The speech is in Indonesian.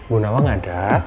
bu nawang ada